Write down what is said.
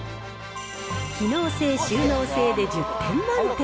機能性、収納性で１０点満点。